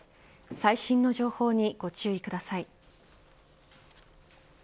最新の情報にご注意ください。